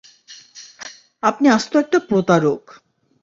আপনি আস্ত একটা প্রতারক!